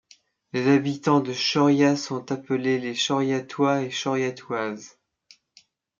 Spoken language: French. Les habitants de Chauriat sont appelés les Chauriatois et Chauriatoises.